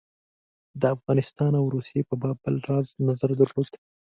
د افغانستان او روسیې په باب بل راز نظر درلود.